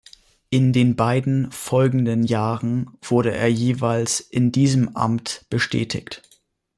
In den beiden folgenden Jahren wurde er jeweils in diesem Amt bestätigt.